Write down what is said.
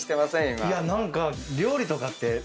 何か料理とかって。